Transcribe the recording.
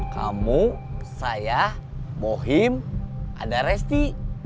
kamu saya bohim ada resti